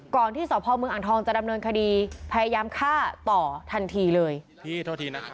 ที่สพเมืองอ่างทองจะดำเนินคดีพยายามฆ่าต่อทันทีเลยพี่โทษทีนะครับ